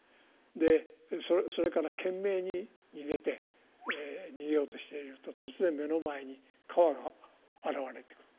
でそれから懸命に逃げて逃げようとしていると突然目の前に川が現れてくる。